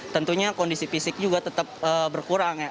tentunya kondisi fisik juga tetap berkurang ya